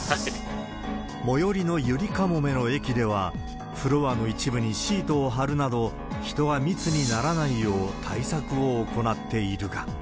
最寄りのゆりかもめの駅では、フロアの一部にシートを張るなど、人が密にならないよう、対策を行っているが。